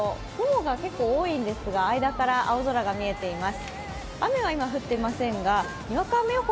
空を見てみますと、雲が結構多いんですが、間から青空が見えています。